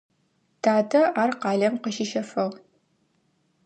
Татэ ар къалэм къыщищэфыгъ.